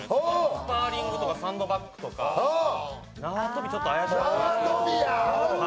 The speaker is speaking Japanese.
スパーリングとかサンドバッグとか縄跳びちょっと怪しかった。